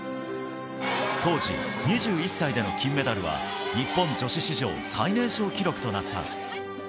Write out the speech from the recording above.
当時２１歳での金メダルは日本女子史上最年少記録となった。